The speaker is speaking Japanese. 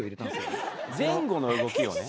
前後の動きをね。